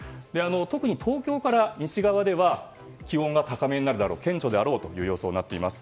特に東京から西側では気温が高めになることが顕著であろうという予想になっています。